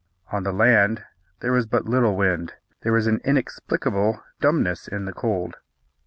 On the land there was but little wind. There was an inexplicable dumbness in the cold.